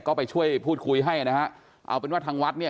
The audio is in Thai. ก็ไปช่วยพูดคุยให้นะฮะเอาเป็นว่าทางวัดเนี่ย